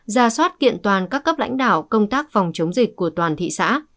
ra soát kiện toàn các cấp lãnh đạo công tác phòng chống dịch của toàn thị xã